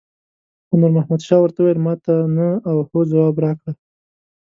خو نور محمد شاه ورته وویل ماته نه او هو ځواب راکړه.